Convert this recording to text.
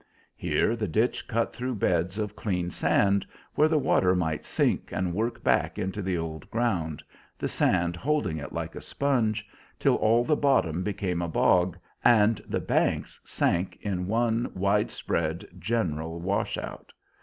Here the ditch cut through beds of clean sand, where the water might sink and work back into the old ground, the sand holding it like a sponge, till all the bottom became a bog, and the banks sank in one wide spread, general wash out.